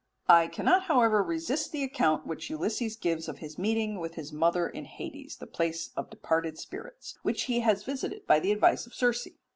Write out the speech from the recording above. I cannot, however, resist the account which Ulysses gives of his meeting with his mother in Hades, the place of departed spirits, which he has visited by the advice of Circe.